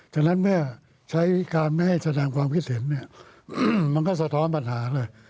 ฉะนั้นเมื่อใช้การไม่ให้แสดงความคิดเห็นเนี่ยมันก็สะท้อนปัญหาเลย